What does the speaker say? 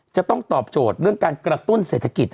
จะต้องตอบโจทย์เรื่องการกระตุ้นเศรษฐกิจ